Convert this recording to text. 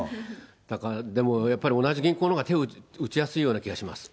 だから、でも、やっぱり同じ銀行のほうが手を打ちやすいような気がします。